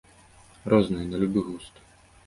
Розныя, на любы густ.